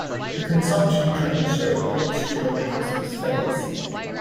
The consumption trends show it peaks during the Christmas phase.